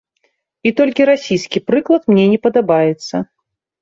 І толькі расійскі прыклад мне не падабаецца.